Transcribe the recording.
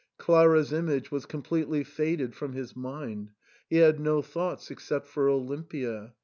Clara's image was completely faded from his mind ; he had no thoughts except for Olimpia.